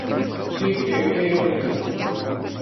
Así que hei abreviar.